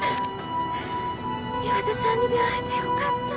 岩田さんに出会えてよかった。